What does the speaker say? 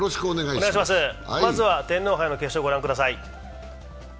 まずは天皇杯の決勝を御覧ください。